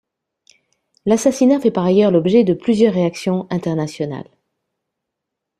L'assassinat fait par ailleurs l'objet de plusieurs réactions internationales.